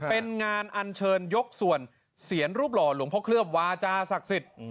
เป็นงานอัญเชิญยกส่วนเสียรรูปหล่อหลวงพ่อเคลือบวาจาศักดิ์สิทธิ์